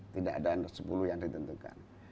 tidak ada sepuluh yang ditentukan